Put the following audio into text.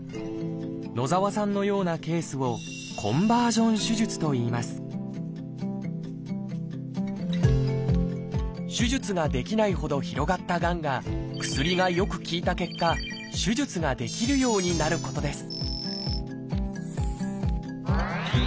野澤さんのようなケースを手術ができないほど広がったがんが薬がよく効いた結果手術ができるようになることです